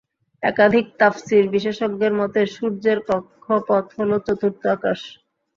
একাধিক তাফসীর বিশেষজ্ঞের মতে, সূর্যের কক্ষ পথ হলো চতুর্থ আকাশ।